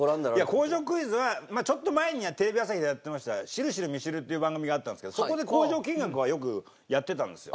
工場クイズはちょっと前にテレビ朝日でやってました『シルシルミシル』っていう番組があったんですけどそこで工場見学はよくやってたんですよ。